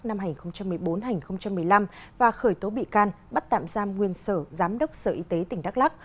năm hai nghìn một mươi bốn hai nghìn một mươi năm và khởi tố bị can bắt tạm giam nguyên sở giám đốc sở y tế tỉnh đắk lắc